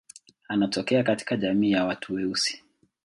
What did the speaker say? Anatokea katika jamii ya watu weusi.